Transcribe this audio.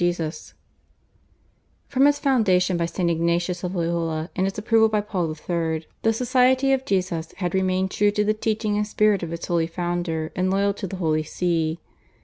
Taunton, /The Jesuits in England/, 1901. From its foundation by St. Ignatius of Loyola and its approval by Paul III. the Society of Jesus had remained true to the teaching and spirit of its holy founder and loyal to the Holy See.